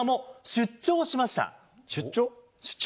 出張？